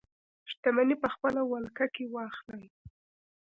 شتمنۍ په خپله ولکه کې واخلي.